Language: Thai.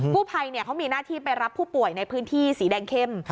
ผู้ภัยเขามีหน้าที่ไปรับผู้ป่วยในพื้นที่สีแดงเข้ม